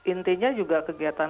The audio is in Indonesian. intinya juga kegiatan